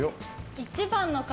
１番の方